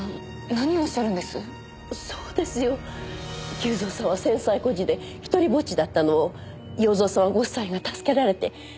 久造さんは戦災孤児で独りぼっちだったのを洋蔵様ご夫妻が助けられて。